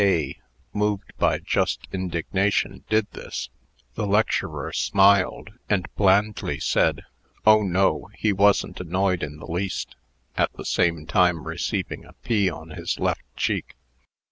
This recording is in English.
A , moved by just indignation, did this, the lecturer smiled, and blandly said: Oh, no; he wasn't annoyed in the least (at the same time receiving a pea on his left cheek).